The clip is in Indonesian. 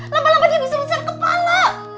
lamba lamba dia bisa rusak kepala